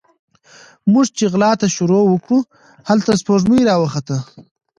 موږ چې غلا ته شروع وکړه، هلته سپوږمۍ راوخته